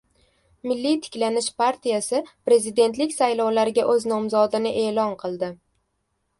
«Milliy tiklanish» partiyasi prezidentlik saylovlariga o‘z nomzodini e’lon qildi